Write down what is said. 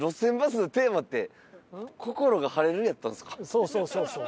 そうそうそうそう。